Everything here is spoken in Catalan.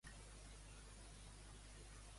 On van ser enterrats primerament Lleonci i Carpòfor?